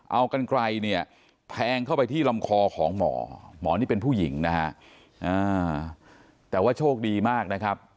เอากันไกลเนี่ยแทงเข้าไปที่ลำคอของหมอหมอนี่เป็นผู้หญิงนะฮะแต่ว่าโชคดีมากนะครับ